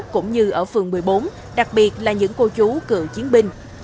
cũng như ở phường một mươi bốn đặc biệt là những cô chú cựu chiến binh